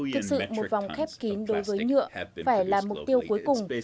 thực sự một vòng khép kín đối với nhựa phải là mục tiêu cuối cùng